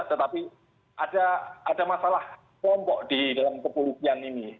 tetapi ada masalah kelompok di dalam kepolisian ini